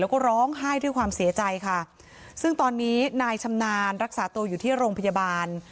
แล้วก็ร้องไห้ด้วยความเสียใจค่ะซึ่งตอนนี้นายชำนาญรักษาตัวอยู่ที่โรงพยาบาล